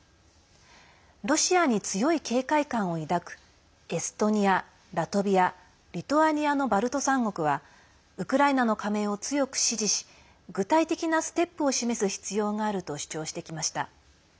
ロシアに強い警戒感を抱くエストニア、ラトビアリトアニアのバルト３国はウクライナの加盟を強く支持し具体的なステップを示す必要があると主張してきました。